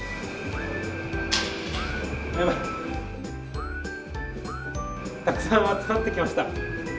やばい、たくさん集まってきました。